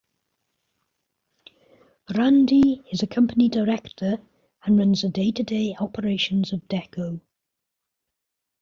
Randy is a company director and runs the day-to-day operations of Deco.